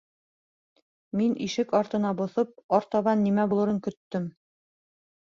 Мин, ишек артына боҫоп, артабан нимә булырын көттөм.